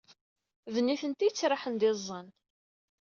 D nitenti ay yettraḥen d iẓẓan.